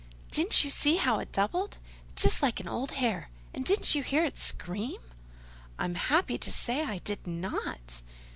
"Didn't you see how it doubled—just like an old hare? and didn't you hear it scream?" "I'm happy to say I did not."